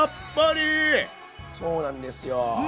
そうなんですよ。